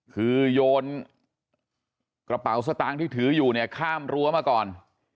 คือโยนกระเป๋าสตางค์ที่ถืออยู่เนี่ยข้ามรั้วมาก่อน